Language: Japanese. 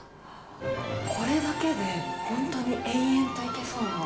これだけで、本当に延々といけそうな。